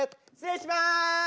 失礼します！